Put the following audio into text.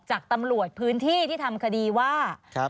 จากตำรวจพื้นที่ที่ทำคดีว่า